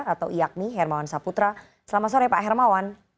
atau iakmi hermawan saputra selamat sore pak hermawan